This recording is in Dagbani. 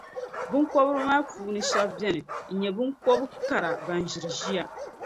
Biŋkɔbri maa puuni shεba beni n-nyɛ biŋkɔb’ kara ban ʒiri ʒiya.